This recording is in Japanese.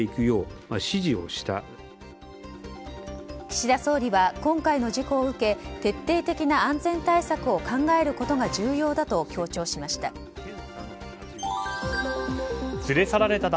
岸田総理は今回の事故を受け徹底的な安全対策を考えることが重要だと強調しました。